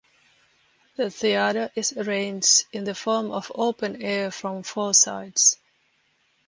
The theatre is arranged in the form of open air from four sides.